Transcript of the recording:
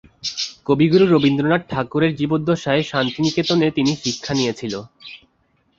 কবিগুরু রবীন্দ্রনাথ ঠাকুরের জীবদ্দশায় শান্তিনিকেতনে তিনি শিক্ষা নিয়েছিলেন।